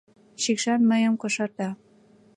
Шикшан мыйым кошарта.